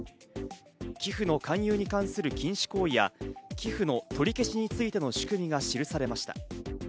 寄付の勧誘に関する禁止行為や寄付の取り消しについての仕組みが記されました。